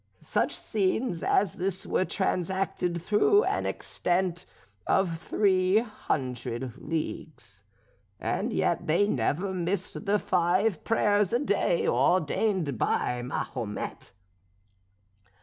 Such scenes as this were transacted through an extent of three hundred leagues and yet they never missed the five prayers a day ordained by Mahomet.